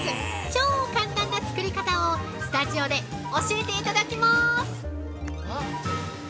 超簡単な作り方を、スタジオで教えていただきます！